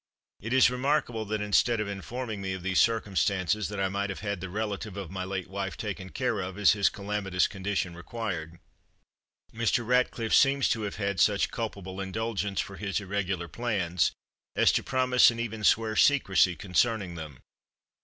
It is remarkable, that, instead of informing me of these circumstances, that I might have had the relative of my late wife taken such care of as his calamitous condition required, Mr. Ratcliffe seems to have had such culpable indulgence for his irregular plans as to promise and even swear secrecy concerning them.